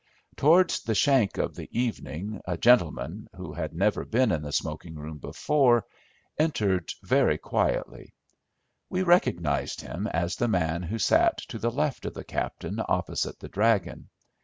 Towards the shank of the evening a gentleman, who had never been in the smoking room before, entered very quietly. We recognised him as the man who sat to the left of the captain opposite the "dragon."